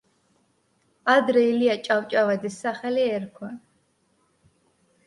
ადრე ილია ჭავჭავაძის სახელი ერქვა.